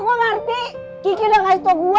gue ngerti kiki udah ngasih tau gue